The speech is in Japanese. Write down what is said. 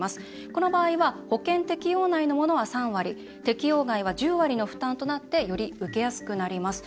この場合は保険適用内のものは３割適用外は１０割の負担となってより受けやすくなります。